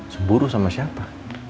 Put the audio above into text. cemburu sama siapa